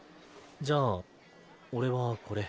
じゃあ俺はこれ。